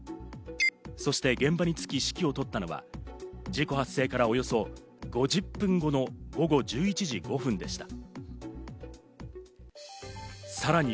そして現場に着き、指揮を執ったのは事故発生からおよそ５０分後の午後１１時５分でした。